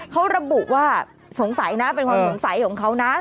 เขาระบุว่าสงสัยนะเป็นความสงสัยของเขานะ